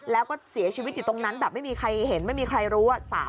แล้วก็เสียชีวิตอยู่ตรงนั้นแบบไม่มีใครเห็นไม่มีใครรู้